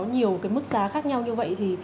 nhiều cái mức giá khác nhau như vậy thì